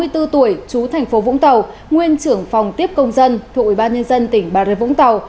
sáu mươi bốn tuổi chú tp vũng tàu nguyên trưởng phòng tiếp công dân thuộc ủy ban nhân dân tỉnh bà rất vũng tàu